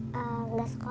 kalau nggak sekolah